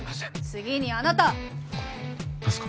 次にあなた何すか？